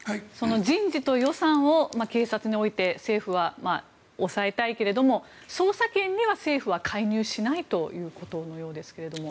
人事と予算を警察に置いて政府は押さえたいけれども捜査権には、政府は介入しないということのようですけれども。